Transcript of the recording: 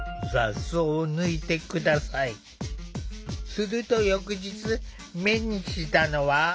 すると翌日目にしたのは。